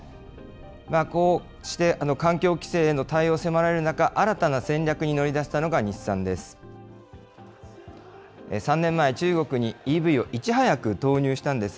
こうして環境規制への対応を迫られる中、新たな戦略に乗り出したのが日産です。